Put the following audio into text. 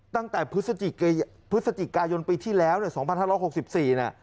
ตั้งแต่พฤศจิกายนปีที่แล้วเนี่ยสองพันห้าร้อยหกสิบสี่นะ